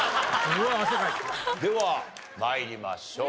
では参りましょう。